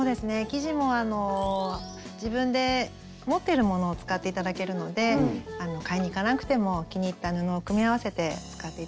生地も自分で持ってるものを使って頂けるので買いに行かなくても気に入った布を組み合わせて使って頂いてもいいと思います。